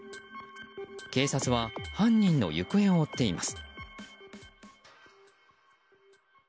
警察は犯人の行方を追っています。